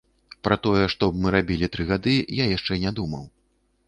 Пра тое, што б мы рабілі тры гады, я яшчэ не думаў.